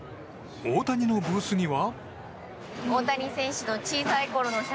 大谷のブースには。